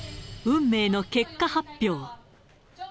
運命の結果発表。